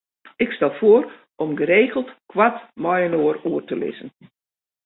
Ik stel foar om geregeld koart mei-inoar oer te lizzen.